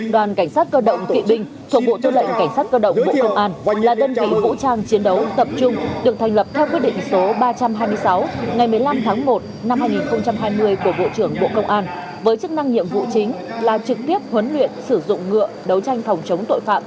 đoàn cảnh sát cơ động kỵ binh thuộc bộ tư lệnh cảnh sát cơ động bộ công an là đơn vị vũ trang chiến đấu tập trung được thành lập theo quyết định số ba trăm hai mươi sáu ngày một mươi năm tháng một năm hai nghìn hai mươi của bộ trưởng bộ công an với chức năng nhiệm vụ chính là trực tiếp huấn luyện sử dụng ngựa đấu tranh phòng chống tội phạm